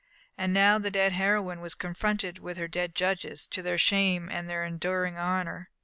And now the dead heroine was confronted with her dead judges, to their shame and her enduring honour.